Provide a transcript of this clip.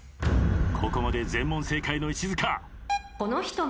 ここまで全問正解の石塚。